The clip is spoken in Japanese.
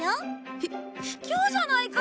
ひひきょうじゃないか！